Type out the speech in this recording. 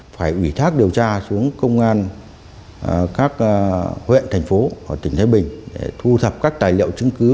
phải ủy thác điều tra xuống công an các huyện thành phố của tỉnh thái bình để thu thập các tài liệu chứng cứ